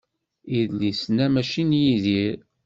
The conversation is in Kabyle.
Idlisen-a mačči n Yidir.